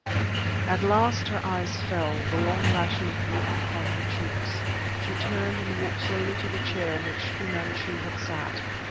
At last her eyes fell, the long lashes drooped upon her cheeks. She turned and walked slowly to the chair in which Fu Manchu had sat.